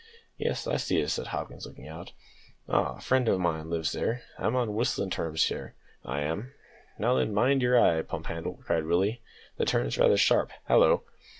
"Yes, I see it," said Hopkins, looking out. "Ah, a friend o' mine lives there. I'm on wisitin' terms there, I am. Now then, mind your eye, pump handle," cried Willie; "the turn's rather sharp hallo!"